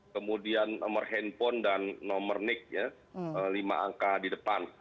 kemudian nomor handphone dan nomor nick ya lima angka di depan